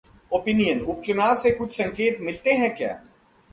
Opinion: उपचुनाव से कुछ संकेत मिलते हैं क्या